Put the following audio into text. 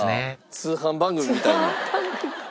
通販番組みたい。